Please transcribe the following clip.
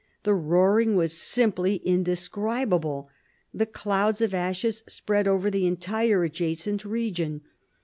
The roaring was simply indescribable. The clouds of ashes spread over the entire adjacent region.